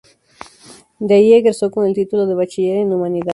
De ahí egresó con el título de Bachiller en Humanidades.